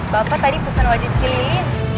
bapak tadi pesan wajit cilin